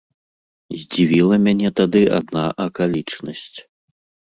Здзівіла мяне тады адна акалічнасць.